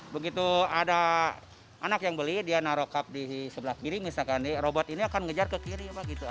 begitu ada anak yang beli dia naro cup di sebelah kiri misalkan robot ini akan ngejar ke kiri